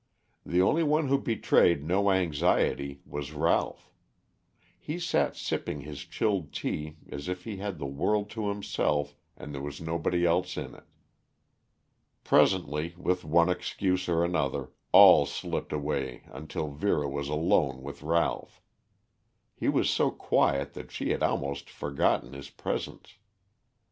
The only one who betrayed no anxiety was Ralph. He sat sipping his chilled tea as if he had the world to himself and there was nobody else in it. Presently, with one excuse or another, all slipped away until Vera was alone with Ralph. He was so quiet that she had almost forgotten his presence.